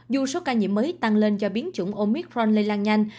dù số ca nhiễm mới tăng lên do biến chủng omicron lây lan nhanh